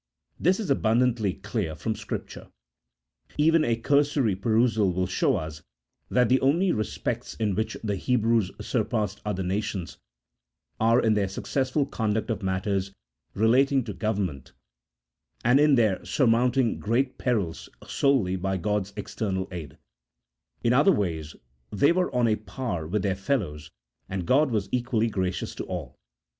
This is abundantly clear from Scripture. Even a cursory perusal will show us that the only respects in which the Hebrews surpassed other nations, are in their successful conduct of matters re lating to government, and in their surmounting great perils solely by God's external aid; in other ways they were on a par with their fellows, and God was equally gracious to all.